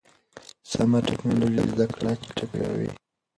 سمه ټکنالوژي زده کړه چټکوي.